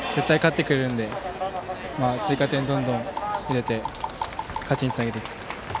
絶対勝ってくれるので追加点どんどん入れて勝ちにつなげていきます。